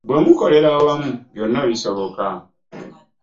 Bwe mukolera awamu byonna bisoboka.